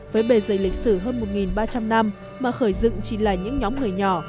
với bề dày lịch sử hơn một ba trăm linh năm mà khởi dựng chỉ là những nhóm người nhỏ